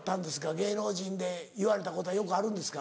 芸能人で言われたことよくあるんですか？